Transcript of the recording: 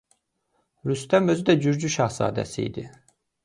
Rüstəm özü də gürcü şahzadəsi idi.